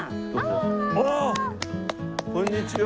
こんにちは。